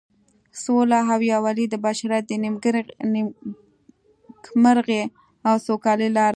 سوله او یووالی د بشریت د نیکمرغۍ او سوکالۍ لاره ده.